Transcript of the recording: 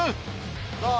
どう？